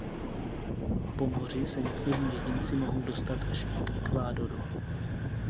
Po moři se někteří jedinci mohou dostat až k Ekvádoru.